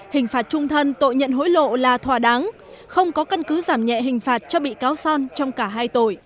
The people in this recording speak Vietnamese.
hình phạt trung thân tội nhận hối lộ là thòa đáng không có căn cứ giảm nhẹ hình phạt cho bị cáo son trong cả hai tội